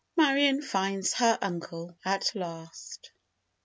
MARION FINDS HER UNCLE AT LAST.